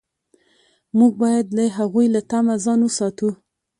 موږ باید د هغوی له طمع ځان وساتو.